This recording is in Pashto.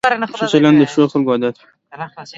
ښه چلند د ښو خلکو عادت وي.